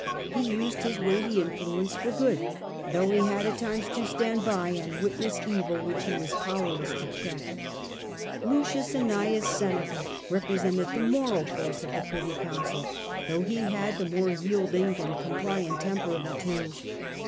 He used his weighty influence for good, though he had at times to stand by and witness evil which he was powerless to check. L. Annaeus Seneca represented the moral force of the privy council, though he had the more yielding and com pliant temper of the two.